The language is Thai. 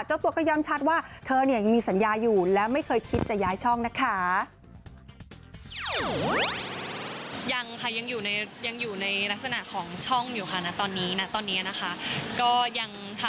เจ้าตัวก็ย้ำชัดว่าเธอเนี่ยยังมีสัญญาอยู่และไม่เคยคิดจะย้ายช่องนะคะ